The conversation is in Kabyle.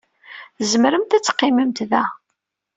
Tzemremt ad teqqimemt da.